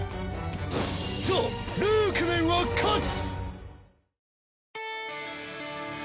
ザ・ルークメンは勝つ！